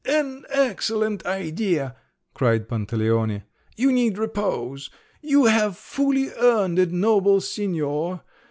"An excellent idea!" cried Pantaleone. "You need repose! You have fully earned it, noble signor!